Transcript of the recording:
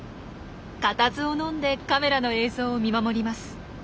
固唾を飲んでカメラの映像を見守ります。